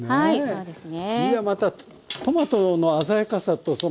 そうですね。